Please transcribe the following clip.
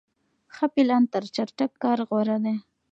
ښه پلان تر چټک کار غوره دی.